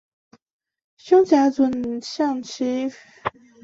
胸甲准项鳍鲇是辐鳍鱼纲鲇形目颈鳍鲇科的其中一种。